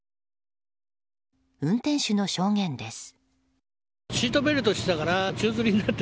運転手の証言です。